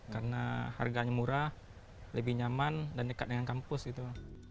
karena harganya murah lebih nyaman dan dekat dengan kampus gitu